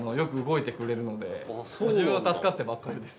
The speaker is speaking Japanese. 自分は助かってばっかりです。